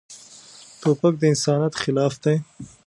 توپک د انسانیت خلاف دی.